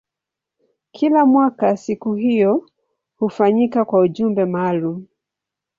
Kila mwaka siku hiyo hufanyika kwa ujumbe maalumu.